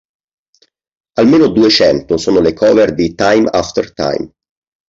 Almeno duecento sono le cover di "Time after Time".